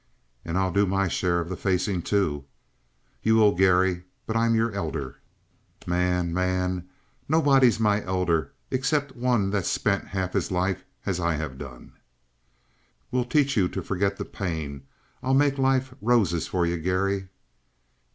"And I'll do my share of the facing, too." "You will, Garry. But I'm your elder." "Man, man! Nobody's my elder except one that's spent half his life as I have done!" "We'll teach you to forget the pain I'll make life roses for you, Garry."